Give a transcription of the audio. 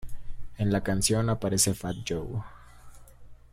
En la canción aparece Fat Joe.